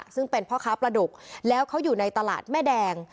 ซึ่งเป็นพ่อค้าประดุกแล้วเขาอยู่ในตลาดแม่แดง